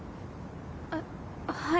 あっはい。